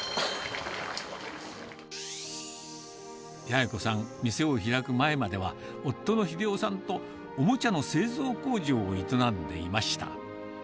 八重子さん、店を開く前までは、夫の秀男さんと、おもちゃの製造工場を営んでいました。